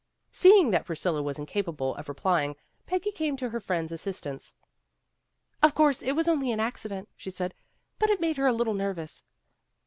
Seeing that Priscilla was incapable of re plying, Peggy came to her friend's assistance. "Of course it was only an accident," she said, "But it made her a little nervous."